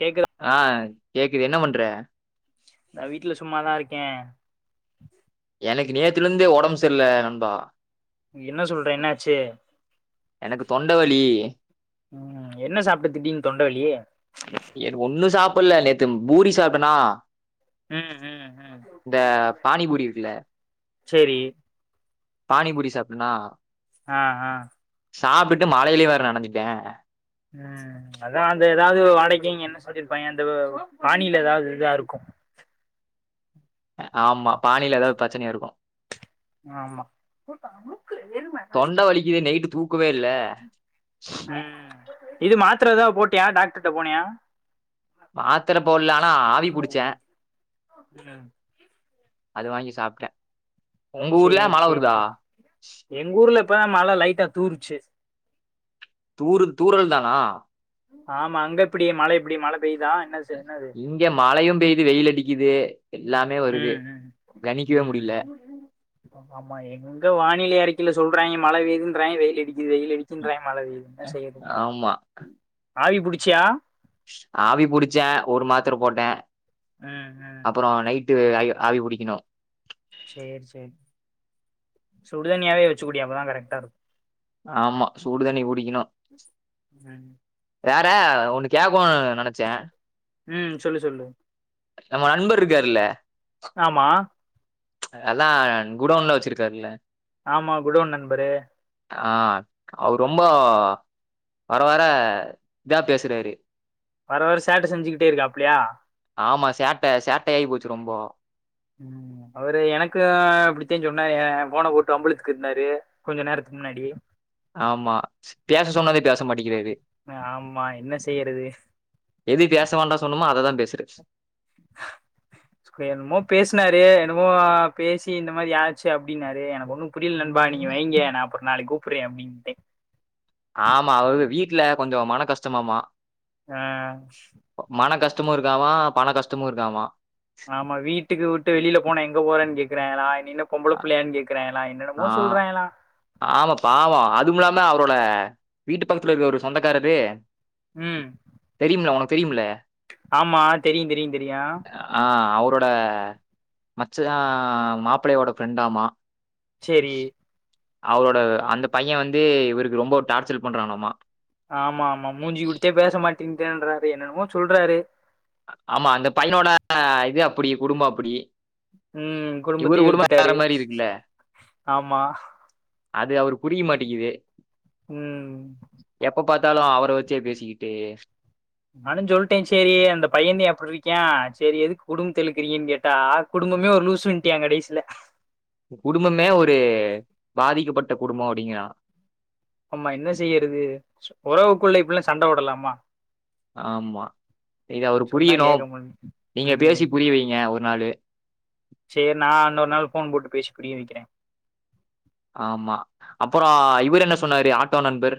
கேக்குதா ஆ கேக்குது என்ன பண்ற நா வீட்ல சும்மாதா இருக்கே எனக்கு நேத்துலிந்தே ஒடம்ப் செர்ல்ல நண்பா என்ன சொல்ற என்ன ஆச்சி எனக்கு தொண்ட வலி ம் என்ன சாப்ட திடீன் தொண்ட வலி ஒன்னு சாப்பல்ல நேத்து பூரி சாப்டனா ம் ம் ம் இந்த பானிபூரி இருக்குல செரி பானிபூரி சாப்ட்டனா ஆ ஆ சாப்டுட்டு மழைலியு வேற நெனஞ்சுட்டே ம் அதா அந்த எதாவ்து வாடைக்கின் என்ன சொல்லிருப்பாங்க அந்த பானில எதாவ்து இதாருக்கு ஆமா பானில எதாவ் ப்ரெச்சனியா இருக்கு ஆமா தொண்ட வலிக்குது நைட்டு தூக்கவே இல்ல ம் இது மாத்தர எதாவது போட்டயா டாக்டர்ட்ட போனியா மாத்தர போடல ஆனா ஆவி புடிச்சே ம் அது வாங்கி சாப்ட்டே சேரி சேரி சே எங்கூர்ல இப்பதா மழ லைட்டா தூருச்சு தூறு தூறல் தானா ஆமா அங்க எப்டி மழ எப்படி மழ பெய்தா என்ன என்னது இங்க மழையு பெயுது வெயில் அடிக்குது எல்லாமே வருது ம் ம் கணிக்கவே முடியல ம் ஆமா எங்க வானிலை அறிக்கையில சொல்றாங்க மழ வேய்துன்றாயங்க வெயில் அடிக்குது வெயில் அடி க்கின்றாய மழ வெய்து என்ன செய்ய ஆமா ஆவி புடிச்சியா ஆவி புடிச்சே ஒரு மாத்திர போட்டே ம் ம் அப்றோ நைட் ட்டு ஆ ஆவி புடிக்கணு சேரி சேரி சுடுதனியாவே வச்சுக்குடி அப்பதா கரெக்டா இருக்கு ஆமா சூடு தண்ணி குடிக்கணு ம் வேற ஒன்னு கேக்கோ நெனச்சே ம் சொல்லு சொல்லு நம்ம நண்பர் இருக்காருல்ல ஆமா அதா குடவுன்ல்லா வச்சிருக்காருல ஆமா குடோன் நண்பரு ஆ அவர் ரொம்ப வர வர இதா பேசுறாரு வர வர சேட்ட செஞ்சுகிட்டே இருக்காப்பலியா அப்டியா ஆமா சேட்டை சேட்டை ஆகி போச்சு ரொம்ப உ அவரு எனக்கு அப்படித்தேன்னு சொன்னா என் போன போட்டு வம்பலத்துக்கு இருந்தாரு கொஞ்சோ நேரத்துக்கு முன்னாடி ஆமா பேச சொன்னதே பேச மாட்டேக்காது ஆமா என்ன செய்யறது எது பேச வேண்டா சொன்னுமோ அதைதா பேசுற என்னமோ பேசுனாரு என்னமோ பேசி இந்த மாதிரி யா அப்படின்னாரு எனக்கு ஒன்னுபுரியல நண்பா நீங்க வைங்க நா அப்றோ நாளைக்கு கூப்பிறே அப்படின்னு ஆமா அவருக்கு வீட்டுல கொஞ்சோ மன கஷ்டமாமமா ஆ மன கஷ்டமு இருக்காமா பண கஷ்டமு இருக்காமா ஆமா வீட்டுக்கு விட்டு வெளில போன எங்க போறேு கேக்குறே நீ என்ன பொம்பளை புள்ளையானு கேக்கு இருக்கேங்களா என்னடமோ சொல்றேங்களலா ஆமாப்பா அதுவு இல்லாம அவரோட வீட்டு பக்கத்துல இருக்க ஒரு சொந்தக்காரது உ தெரியும்ல்ல ஒனக்கு தெரியும்ல்ல ஆமா தெரியுந் தெரியுந் தெரியு ஆ அவரோட மச்சா மாப்பிளயோட ஃப்ரெண்டாமா செரி அவரோட அந்த பையே வந்து இவருக்கு ரொம்ப டார்ச்சரு பண்றானாமா ஆமா ஆமா மூஞ்சி குடுத்தே பேச மாட்டேங்றன்றாரு என்னமோ சொல்றாரு ஆமா அந்த பையனோட இது அப்படி குடும்போஅப்டி உ குடும்பத்தையே இழுத்துட்டாரு மாரி இருக்குல்ல. ஆமா அது அவரு புடிக்க மாட்டிகிது ம் எப்ப பாத்தாலு அவர ச்சே பேசிக்கிட்டே நானுஞ் சொல்ட்டே சேரி அந்த பையந்தே அப்பிட்ருக்யான் சேரி எதுக் குடும்பத்திழுக்கிறீங்கன்னு கேட்டா குடும்பமே ஒரு லூசுன்ட்யான் கடைசில குடும்பமே ஒரு பாதிக்கப்பட்ட குடும்போ அப்டிங்கிறா ஆமா என்ன செய்யறது ஒறவுக்குள்ள இப்புல்லா சண்ட போடலாமா ஆமா இத அவரு சொன்னா புரியணு கேட்க முடி நீங்க பேசி ம் புரிய வெய்ங்க ஒரு நாளு சேர் நா இன்னொரு நாள் ஃபோன் போட்டு பேசி புரிய வெக்கிறே ஆமா அப்பறோ இவுரென்ன சொன்னாரு ஆட்டோ நண்பர்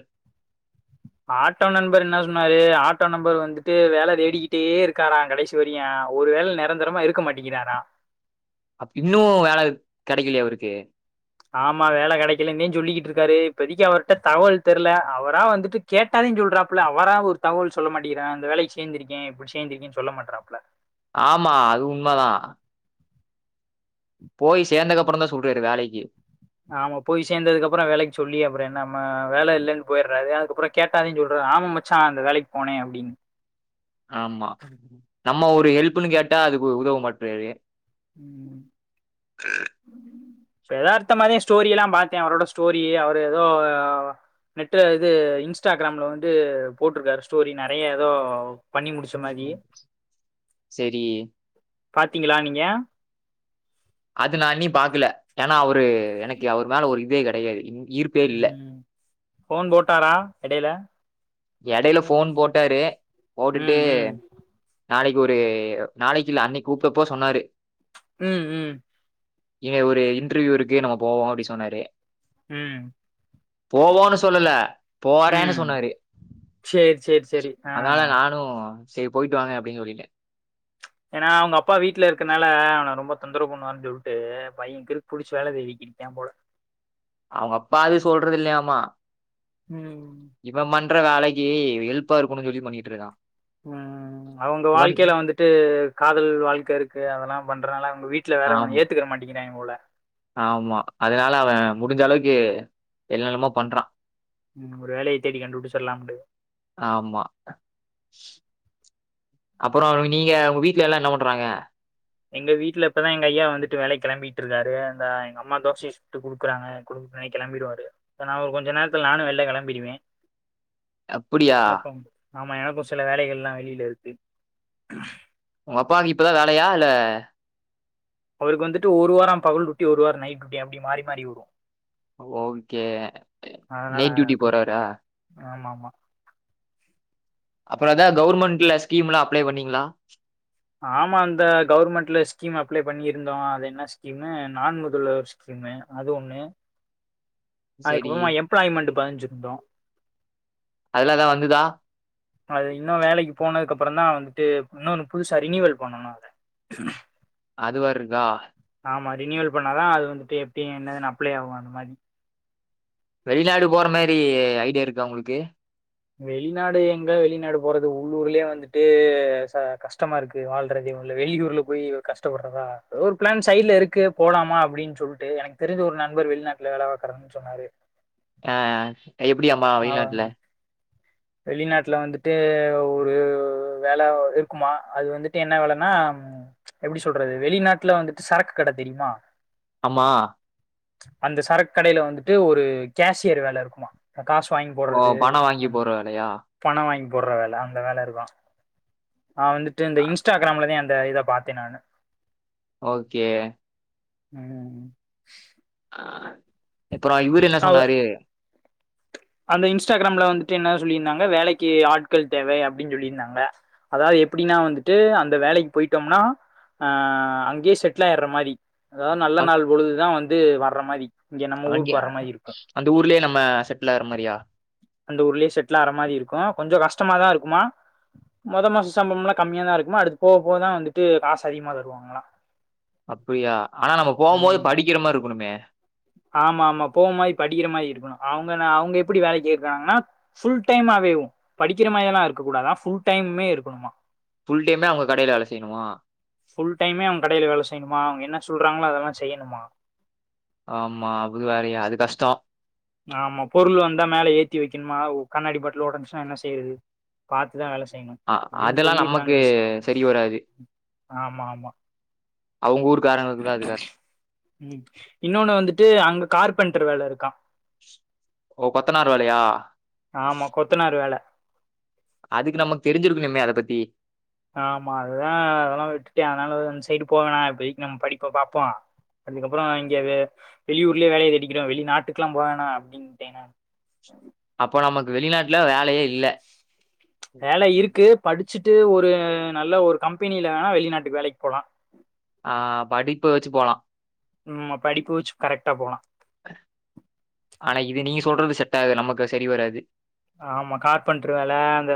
ஆட்டோ நண்பர் என்னா சொன்னாரு ஆட்டோ நம்பர் வந்துட்டு வேல தேடிக்கிட்டே இருக்காரா கடைசி வரியன் ஒரு வேள நெரந்தரமா இருக்க மாட்டிகிராரா அப் இன்னு வேல கெடைக்கிலயா அவருக்கு ஆமா வேல கெடக்கலன்னே சொல்லிகிட்ருக்காரு இப்பதிக்கி அவர்ட்ட தகவல் தெர்ல அவரா வந்துட்டு கேட்டாதேன் சொல்றாப்புல அவரா ஒரு தகவல் சொல்லமாட்டிக்கிறா இந்த வேலைக் சேந்திருக்கேன் இப்டி சேந்திருக்கேன்னு சொல்ல மாட்றாப்புல ஆமா அது உண்மதா போய் சேந்தக்கப்றந்தா சொல்றாரு வேலைக்கு ஆமா போய் சேந்ததுக்கப்ற வேலைக் சொல்லி அப்ற என்ன ம வேல இல்லன்னு போயடுறாரு அதுக்கப்ற கேட்டாதேன் சொல்றா ஆமா மச்சான் அந்த வேலைக்கு போனே அப்டின்னு ஆமா நம்ம ஒரு ஹெல்ப்புனு கேட்டா அதுக்கு உதவ மாட்ராரு ம் எதார்த்த மாதேன் ஸ்டோரி எல்லா பாத்தே அவரோட ஸ்டோரி அவரு எதோ அ வ நெட்டு இது இன்ஸ்டாகிராம்ல வந்துட்டு போட்ருக்காரு ஸ்டோரி நறைய எதோ பண்ணி முடிச்ச மாரி செரி பாத்தீங்களா நீங்க அது நா இன்னி பாக்கல ஏன்னா அவரு எனக்கு அவர் மேல ஒரு இதே கடையாது ஈர்ப்பே இல்ல ம் ஃபோன் போட்டாரா எடைல எடைல ஃபோன் போட்டாரு ம் போட்டுட்டு ம் நாளைக்கு ஒரு நாளைக்கில்ல அன்னைக் கூப்ட்டப்போ சொன்னாரு ம் ம் இங்க ஒரு இன்டர்வியூ இருக்கு நம்ம போவோ அப்டி சொன்னாரு ம் போவோன்னு சொல்லல போறேன்னு ம் சொன்னாரு சேரி சேரி சேரி அதனால ஆ நானு செரி போய்ட்டு வாங்க அப்டின்னு சொல்லிட்ட ஏன்னா அவுங்கப்பா வீட்ல இருக்கனால அவன ரொம்ப தொந்தரவு பண்ணுவானு சொல்ட்டு பை கிருக் புடிச்சு வேல தேடிக்கிறிக்கான் போல அவுங்கப்பாவே சொல்றதில்லயாமா ம் இவன் பண்ற வேலைக்கி ஹெல்ப்பா இருக்கனு சொல்லி பண்ணிட்ருக்கா ம் அவுங்க வாழ்க்கைல வந்துட்டு காதல் வாழ்க்க இருக்கு அதல்லா பண்றனால அவுங்க வீ ட்ல வேற அவன ஆம் ஏத்துக்குற மாட்டிகிறாங்க போல ஆமா அதனால அவன் முடிஞ்சளவுக்கு என்னென்னமோ பண்றான் ம் ஒரு வேலய தேடி கண்டு புடிச்சரலாம்டு ஆமா அப்பறோ நீங்க உங்க வீட்ல எல்லா என்ன பண்றாங்க எங்க வீட்ல இப்பதா எங்க ஐயா வந்துட்டு வேலக்கு கெளம்பிட்ருக்காரு அந்த எங்கம்மா தோசை சுட்டு குடுக்குறாங்க குடு அ கெளம்பிடுவாரு நா ஒரு கொஞ்ச நேரத்துல நானு வெளில கெளம்பிருவே அப்டியா வணக்கம் ஆமா எனக்கும் சில வேலைகள்லா வெளியில இருக்கு ஒங்கப்பாவுக்கு இப்பதா வேலையா இல்ல அவருக்கு வந்துட்டு ஒரு வார பகல் டூட்டி ஒரு வார நைட் டூட்டி அப்டி மாறி மாறி வரு ஓகே நைட் டியூட்டி போறாரா ஆம் ஆமா அப்பறந்தா கவர்மெண்ட்ல ஸ்கீம்லா அப்ளை பண்ணீங்களா ஆமா அந்த கவுவர்மெண்ட்ல ஸ்கீம் அப்ளை பண்ணியிருந்தோ அது என்ன ஸ்கீம் நான் முதல்வர் ஸ் திம்ப அது ஒண்ணு சரி அதுக்கப்பறமா எம்ப்ளாய்மெண்ட் பதிஞ்சிருந்தோ அதெல எதா வந்துதா அது இன்னு வேலைக்கு போனதுக்ப்பறந்தா வந்துட்டு இன்னொன்னு புதுசா ரினிவல் பண்ணனு [inaudible] அதுவேற இருக்கா ஆமா ரினிவல் பண்ணாதா அது வந்துட்டு எப்டி என்னதுன்னு அப்ளை ஆக அந்த மாரி வெளிநாடு போற மாரி ஐடியா இருக்கா உங்களுக்கு வெளிநாடு எங்க வெளிநாடு போறது உள்ளூர்லயே வந்துட்டு ச கஷ்டமா இருக்கு இது வாழ்றது வெளியூர்ல போய் கஷ்டப்பறதா ஒரு பிளான் சைட்ல இருக்கு போலாமா அப்படின்னு சொல்லிட்டு எனக் தெரிஞ்ச ஒரு நண்பர் வெளிநாட்டுல வேல பாக்குறன் சொன்னாரு ஆ எப்படியம்மா அவ வெளிநாட்டுல வெளிநாட்டுல வந்துட்டு ஒரு வேல இருக்குமா அது வந்துட்டு என்ன வேலன்னா எப்படி சொல்றது வெளிநாட்டுல வந்துட்டு சரக்கு கடை தெரியுமா ஆமா அந்த சரக் கடையில வந்துட்டு ஒரு கேசியர் வேல இருக்குமா அ காசு வாங்கி போடுறது அந் இல்லையா பண வாங்கி போடுற வேல அந்த வேல இருக்கு அவ வந்துட்டு இந்த இன்ஸ்டாகிராம்லதா இத இத பாத்தே நானு ஓகே ம் ம் ஆ இப்பறோ இவரு என்ன அவ சொன்னாரு அந்த இன்ஸ்டாகிராம்ல வந்துட்டு என்னா சொல்லியிருந்தாங்க வேலைக்கு ஆட்கள் தேவை அப்டின்னு சொல்லியிருந்தாங்க அதாது எப்டினா வந்துட்டு அந்த வேலைக்கு போயிட்டோம்னா அ அங்கியே செட்டிலாயர்ற மாரி அதாவது நல்ல நாள் பொழுதுதா வந்து வர்ற மாரி இங்க நம்ம அங்கய ஊருக்கு வர மாரி இருக்கு அந்த ஊர்லியே நம்ம செட்லாகற மாரியா அந்த ஊர்லியே செட்டிலாற மாரி இருக்கு கொஞ்ச கஷ்டமாதா இருக்குமா மொத மாச சம்பம்லா கம்மியாதா இருக்குமா அடுத் போவ போதா வந்துட்டு காசு அதிகமா தருவாங்ளா அப்டியா ஆனா நம்ம போவம்போது ம் படிக்கிற மாரிருக்குணுமே ஆமா ஆமா போவ மாரி படிக்கிற மாரி இருக்கணு அவுங்க ந அவுங்க எப்படி வேலைக் கேக்குறாங்கனா ஃபுல் டைமாவவேவு படிக்கிற மாரிலா இருக்க கூடாதா புஃல் டைம்மே இருக்கணுமா புஃல் டைமே அவுங்க கடைல வேல செய்யணுமா புஃல் டைமே அவுங்க கடைல வேல செய்ணுமா அவுங்க என்ன சொல்றாங்ளோ அதலா செய்யணுமா ஆமா அதுவேறையா அது கஷ்டோ ஆமா பொருள் வந்தா மேல ஏத்தி வெக்கின்மா அ ஒ கண்ணாடி பாட்லு ஒடஞ்சினா என்ன செய்யறது பாத்துதா வேல செய்யணு அ அப்டின்னு அதெல்லா சொல்லிருந்தாங்க நமக்கு டிஸ் செரி வராது ஆமா ஆமா அவுங்க ஊருக்காரங்களுக்குதா அதுக ம் இன்னொன்னு வந்துட்டு அங்க கார்பென்டர் வேல இருக்கா ஓ கொத்தனார் வேலையா ஆமா கொத்தனார் வேல அதுக்கு நமக்கு தெரிஞ்சிருக்கணுமே அத பத்தி ஆமா அதுதா அதெல்லா விட்டுட்டே அதனால அந்த சைடு போவேணா இப்பதைக் நம்ம படிப்ப பாப்போ அதுக்கப்றோ இங்க வே வெளியூர்லியே வேலைய தேடிக்கிறோ வெளி நாட்டுக்குலா போவேணா அப்டின்ட்டே நானு அப்போ நமக்கு வெளிநாட்ல வேலையே இல்ல வேல இருக்கு படிச்சுட்டு ஒரு நல்ல ஒரு கம்பெனில வேணா வெளிநாட்டுக்கு வேலைக் போலா ஆ படிப்பு வச்சு போலா ம் படிப்பு வச்சு கரெக்டா போலா ஆனா இது நீங்க சொல்றது செட்டாகு நமக்கு செரி வராது ஆமா கார்பெண்டரு வேல அந்த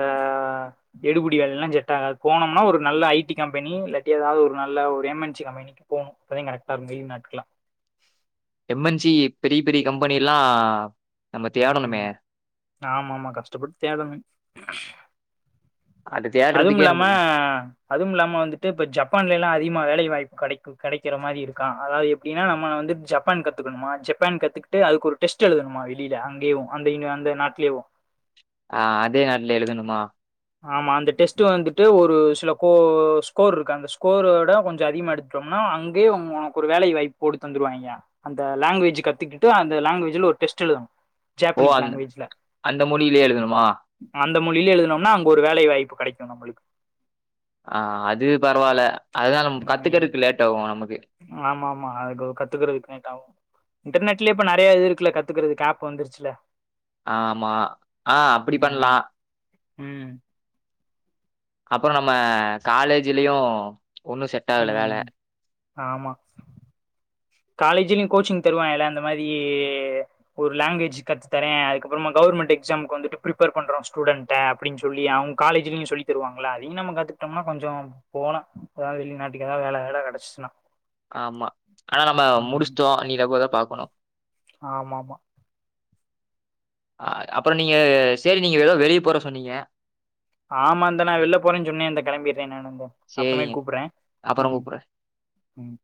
வே எடுபுடி வேலல்லா செட்டாகாது போனம்னா ஒரு நல்ல ஐ டி கம்பெனி இல்லாட்டி ஏதாவது ஒரு நல்ல ஒரு எம் என் சி கம்பெனி போனு இப்பதே கரெக்டாருக்கோ லீவ் நாட்கள்லா எம் என் சி பெரிய பெரிய கம்பெனிலா ம் ஆமா ஆமா கஷ்டப்பட்டு தேடனு அது தேடுறதுக்கே அதுமில்லாம நமக்கு அதுமில்லாம வந்துட்டு இப்ப ஜப்பான்லல்லா அதிகமா வேலைவாய்ப்பு கடைக்கு கெடைக்கற மாரி இருக்கா அதாது எப்டினா நம்ம வந்து ஜப்பான் கத்துக்கணுமா ஜப்பான் கத்துக் ட்டு அதுக்கு ஒரு டெஸ்ட் எழுதணுமா வெளில அங்கியேவு அந்த யுனி அந்த நாட்லேவு ஆ அதே நாட்ல எழுதணுமா ஆமா அந்த டெஸ்ட்டு வந்துட்டு ஒரு சில கோ ஸ்கோர் இருக்கு அந்த ஸ்கோரோட கொஞ்ச அதிகமாக எடுத்துட்டோம்னா அங்கியே ஒங் ஒனக்கு ஒரு வேலை வாய்ப் போட்டு தந்துருவாய்ங்க அந்த லேங்வேஜ் கத்துகிட்டு அந்த லேங்வேஜ்ல ஒரு டெஸ்ட்டெழுதனு ஓ அந்த அந்த மொழிலியே எழுதணுமா அந்த மொழிலியே எழுதனம்னா அங்க ஒரு வேலை வாய்ப்பு கெடைக்கு நம்மளுக்கு ஆ அது பரவால்ல அதல்லா நம் ம் கத்துக்கறக்கு லேட்டாவு நமக்கு ஆமா ஆமா அது கத்துக்கறக் லேட்டாவு இன்டர்நெட்லயே இப்ப நறைய இது இருக்குல்ல கத்துக்கறது ஆப் வந்துருச்சுல ஆமா ஆ அப்டி ம் பண்லா ம் அப்றோ நம்ம காலேஜிலியு ஒன்னு செட்டாகல வேல ம் ஆமா காலேஜிலையு கோச்சிங் தருவாங்ல அந்த மாரி ஒரு லாங்வேஜ் கத்து தரே அதுக்கப்புறமா கவர்மெண்ட் எக்ஸாம்க்கு வந்துட்டு பிரிப்பேர் பண்றோ ஸ்டுடென்ட் க அப்டின் சொல்லி அவுங் காலேஜ்லையு சொல்லி தருவாங்ளா அதையும் நம்ம கத்துட்டோம்னா கொஞ்சோ போலா எதா வெளி நாட்டுக்கு ஏதாது வேற வேல கெடைச்சி சின்னா ஆமா ஆனா நம்ம முடிச்சுட்டோ இனி போய்தா பாக்கணு ஆமா ஆமா அ அப்றோ நீங்க சேரி நீங்க ஏதோ வெளியே போற சொன்னீங்க ஆமா இந்த நா வெளில போறேன்னு சொன்னே இந்த கெளம்பிட்றே நானு இந்த அப்றமேட் சரிங்க கூப்புட்றே அப்புறம் ம் கூப்புட்றேன் ம் ம்